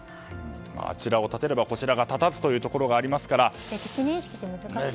あちらを立てればこちらが立たずというところがありますから。